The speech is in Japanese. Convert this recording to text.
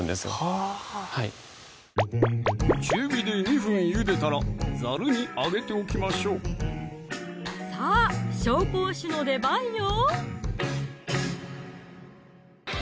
はぁ中火で２分ゆでたらざるにあげておきましょうさぁ紹興酒の出番よ